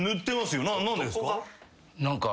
何でですか？